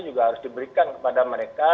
juga harus diberikan kepada mereka